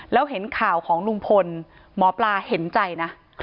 แล้วเห็นข่าวของลุงพลหมอปลาเห็นใจนะ